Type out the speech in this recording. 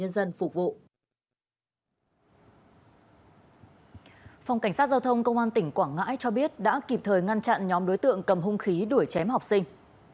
phòng cảnh sát giao thông công an tỉnh quảng ngãi cho biết đã kịp thời ngăn chặn nhóm đối tượng cầm hung khí đuổi chém học sinh